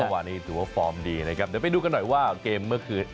วานี้ถือว่าฟอร์มดีนะครับเดี๋ยวไปดูกันหน่อยว่าเกมเมื่อคืน